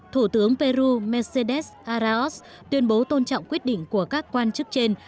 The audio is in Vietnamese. thủ tướng peru mercedes araos tuyên bố tôn trọng quyết định của các quan chức trên